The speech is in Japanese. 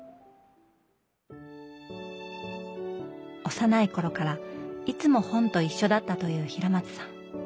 幼い頃からいつも本と一緒だったという平松さん